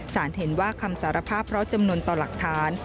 เห็นว่าคำสารภาพเพราะจำนวนต่อหลักฐาน